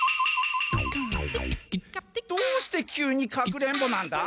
どうして急にかくれんぼなんだ？